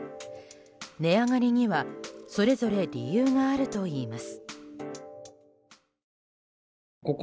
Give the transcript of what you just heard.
値上がりにはそれぞれ理由があるといいます。